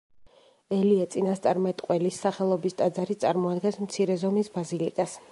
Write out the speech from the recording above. ელია წინასწარმეტყველის სახელობის ტაძარი წარმოადგენს მცირე ზომის ბაზილიკას.